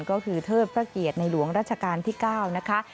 ก็คือเทิดพระเกียรติในหลวงรัชกาลที่๙นะคะ